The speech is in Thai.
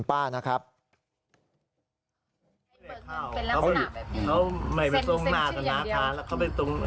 เพราะว่าหน้าธนาคารมีกล้อง